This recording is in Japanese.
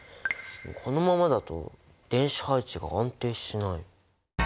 このままだと電子配置が安定しない。